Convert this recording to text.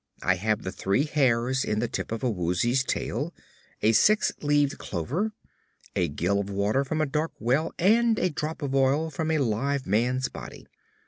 I have the three hairs in the tip of a Woozy's tail, a six leaved clover, a gill of water from a dark well and a drop of oil from a live man's body.